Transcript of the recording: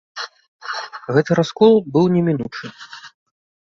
Гэты раскол быў немінучы.